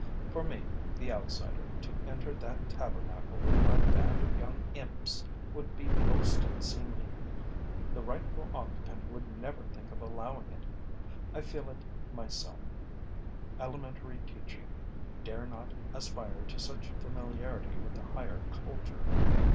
For me, the outsider, to enter that tabernacle with my band of young imps would be most unseemly; the rightful occupant would never think of allowing it. I feel it myself: elementary teaching dare not aspire to such familiarity with the higher culture.